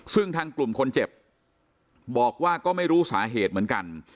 ซึ่งทางกลุ่มคนเจ็บบอกว่าก็ไม่รู้สาเหตุเหมือนกัน